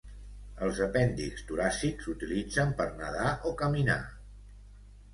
Els apèndixs toràcics s'utilitzen per nedar o caminar.